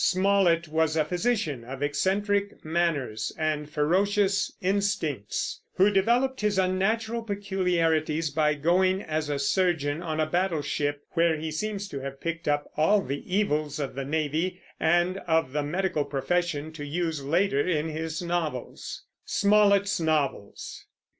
Smollett was a physician, of eccentric manners and ferocious instincts, who developed his unnatural peculiarities by going as a surgeon on a battleship, where he seems to have picked up all the evils of the navy and of the medical profession to use later in his novels.